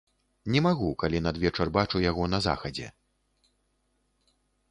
Не магу, калі надвечар бачу яго на захадзе.